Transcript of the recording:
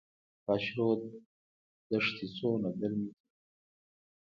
خاشرود دښتې څومره ګرمې دي؟